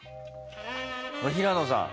平野さん。